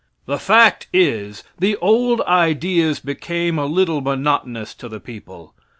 The fact is, the old ideas became a little monotonous to the people.